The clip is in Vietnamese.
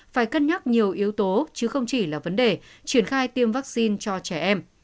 phải cân nhắc nhiều yếu tố chứ không chỉ là vấn đề triển khai tiêm vaccine cho trẻ em